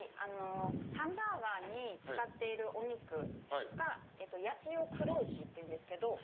ハンバーガーに使っているお肉が八千代黒牛っていうんです。